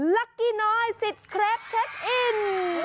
ลักกี้น้อยสิทธิ์เครปเช็คอิน